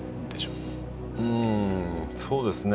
うんそうですね